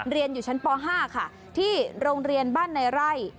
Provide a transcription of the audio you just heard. เรียนอยู่ชั้นป๕ค่ะที่โรงเรียนบ้านในไร่